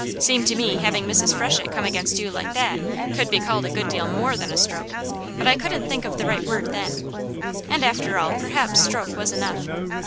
Seemed to me having Mrs. Freshett come against you like that, could be called a good deal more than a stroke, but I couldn't think of the right word then. And after all, perhaps stroke was enough.